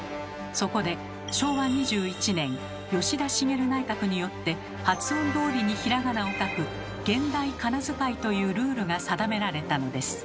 そこで昭和２１年吉田茂内閣によって発音どおりにひらがなを書く「現代かなづかい」というルールが定められたのです。